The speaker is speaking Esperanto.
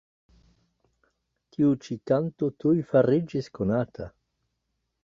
Tiu ĉi kanto tuj fariĝis konata.